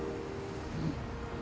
うん